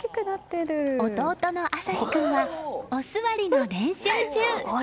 弟の朝陽君は、お座りの練習中。